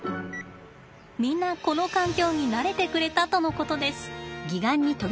みんなこの環境に慣れてくれたとのことです。